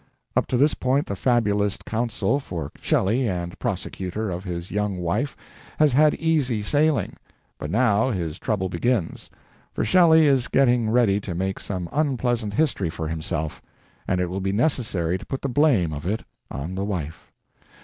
Up to this point the fabulist counsel for Shelley and prosecutor of his young wife has had easy sailing, but now his trouble begins, for Shelley is getting ready to make some unpleasant history for himself, and it will be necessary to put the blame of it on the wife.